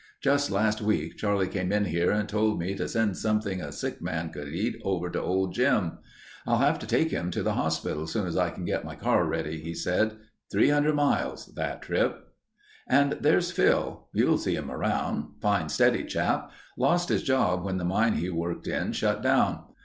Just last week Charlie came in here and told me to send something a sick man could eat over to old Jim. 'I'll have to take him to the hospital soon as I can get my car ready,' he said. Three hundred miles—that trip. "And there's Phil. You'll see him around. Fine steady chap. Lost his job when the mine he worked in shut down.